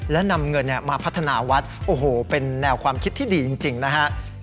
และนำเงินมาพัฒนาวัดโอ้โหเป็นแนวความคิดที่ดีจริงนะฮะ